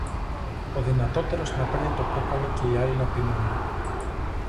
Ο δυνατότερος να παίρνει το κόκαλο και οι άλλοι να πεινούν.